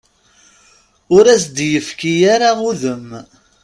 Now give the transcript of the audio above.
Ur as-d-yefki ara udem.